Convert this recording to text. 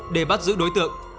để bắt giữ đối tượng